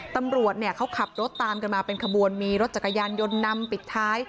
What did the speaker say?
ตำรวจเขาขับรถตามกันมาเป็นขบวนมีรถจักรยานยนต์นำปิดท้าย